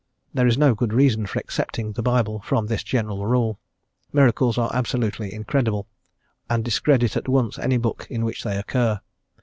There is no good reason for excepting the Bible from this general rule. Miracles are absolutely incredible, and discredit at once any book in which they occur.